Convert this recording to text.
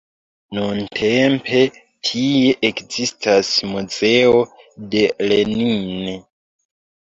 Nuntempe tie ekzistas muzeo de Lenin.